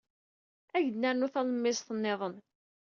Ad ak-d-nernu talemmiẓt niḍen.